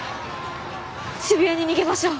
渋谷に逃げましょう。